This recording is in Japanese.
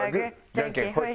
ジャンケンホイ！